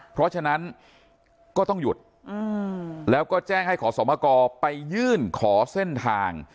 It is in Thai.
เพราะฉะนั้นก็ต้องหยุดแล้วก็แจ้งให้ขอสมกรไปยื่นขอเส้นทาง